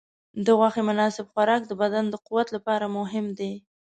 د غوښې مناسب خوراک د بدن د قوت لپاره مهم دی.